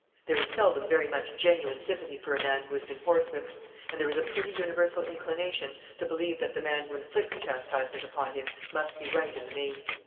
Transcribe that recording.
There is seldom very much genuine sympathy for a man who has been horsewhipped; and there is a pretty universal inclination to believe that the man who inflicts chastisement upon him must be right in the main.